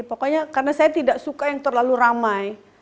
pokoknya karena saya tidak suka yang terlalu ramai